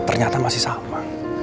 ternyata masih sama